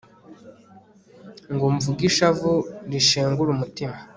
ngo mvuge ishavu rishengura umutima